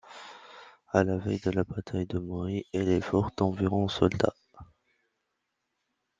À la veille de la bataille de Mohi, elle est forte d'environ soldats.